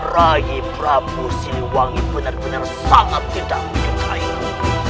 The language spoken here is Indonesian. rai prabu siliwangi benar benar sangat tidak menyukai mu